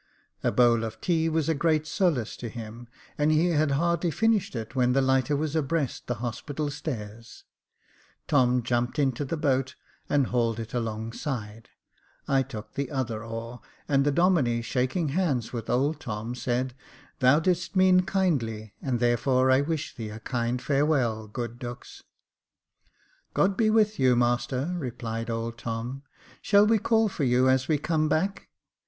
A bowl of tea was a great solace to him, and he had hardly finished it when the lighter was abreast the Hospital stairs. Tom jumped into the boat and hauled it alongside. I took the other oar, and the Domine, shaking hands with old Tom, said, " Thou didst mean kindly, and therefore I wish thee a kind farewell, good Dux." " God be with you, master," replied old Tom ;*' shall we call for you as we come back